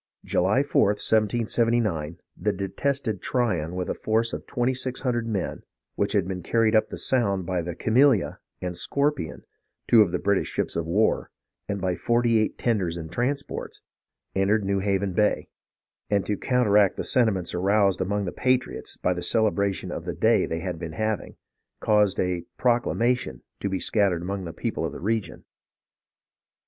July 4th, 1779, the detested Tryon with a force of twenty six hundred men, which had been carried up the Sound by the Camilla and Scorpion, two of the British ships of war, and by forty eight tenders and transports, entered New Haven Bay; and to counteract the sentiments aroused among the patriots by the celebration of the day they had been having, caused a "proclamation" to be scattered among the people of the region.